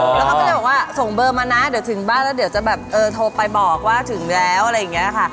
แล้วเขาก็เลยบอกว่าส่งเบอร์มานะเดี๋ยวถึงบ้านแล้วเดี๋ยวจะแบบเออโทรไปบอกว่าถึงแล้วอะไรอย่างนี้ค่ะ